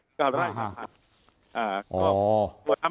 ไม่เคยนี่แรกครับ